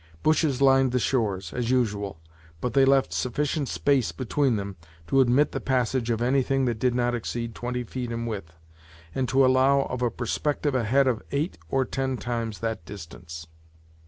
Bushes lined the shores, as usual, but they left sufficient space between them to admit the passage of anything that did not exceed twenty feet in width, and to allow of a perspective ahead of eight or ten times that distance.